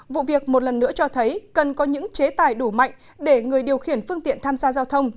vụ việc một lần nữa cho thấy cần có những chế tài đủ mạnh để người điều khiển phương tiện tham gia giao thông